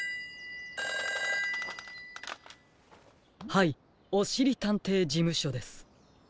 ☎はいおしりたんていじむしょです。